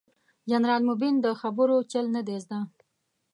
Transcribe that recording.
جنرال مبين ده خبرو چل نه دې زده.